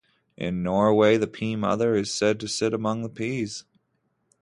In Norway, the Pea Mother is said to sit among the peas.